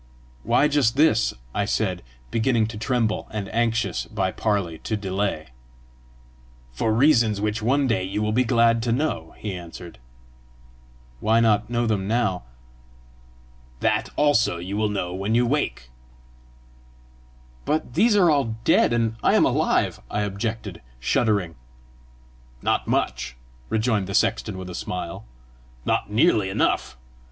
"Why just this?" I said, beginning to tremble, and anxious by parley to delay. "For reasons which one day you will be glad to know," he answered. "Why not know them now?" "That also you will know when you wake." "But these are all dead, and I am alive!" I objected, shuddering. "Not much," rejoined the sexton with a smile, " not nearly enough!